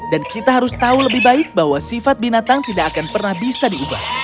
dan kita harus tahu lebih baik bahwa sifat binatang tidak akan pernah bisa diubah